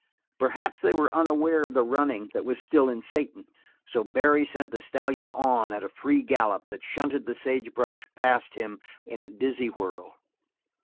Perhaps they were unaware of the running that was still in Satan, so Barry sent the stallion on at a free gallop that shunted the sagebrush past him in a dizzy whirl.